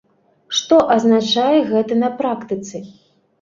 Што азначае гэта на практыцы?